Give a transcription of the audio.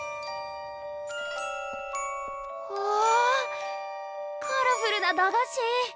わあカラフルな駄菓子！